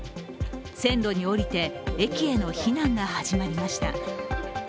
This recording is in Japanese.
線路に降りて、駅への避難が始まりました。